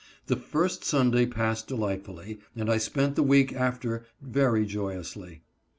The first Sunday passed delightfully, and I spent the week after very joyously.